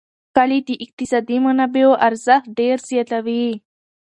کلي د اقتصادي منابعو ارزښت ډېر زیاتوي.